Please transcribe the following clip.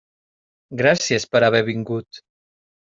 Gràcies per haver vingut.